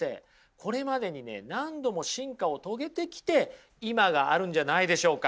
これまでにね何度も進化を遂げてきて今があるんじゃないんでしょうか。